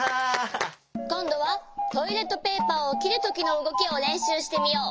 こんどはトイレットペーパーをきるときのうごきをれんしゅうしてみよう。